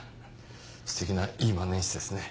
素敵ないい万年筆ですね。